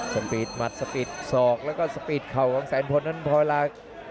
สปีดหมัดสปีดศอกแล้วก็สปีดเข่าของแสนพลนั้นพอลา